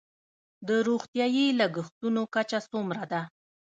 د روغتیايي لګښتونو کچه څومره ده؟